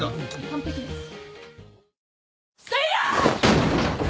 完璧です。